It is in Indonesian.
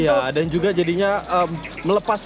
iya dan juga jadinya melepas